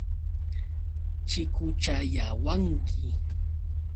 Chikuchayawanki.